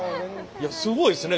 いやすごいですね。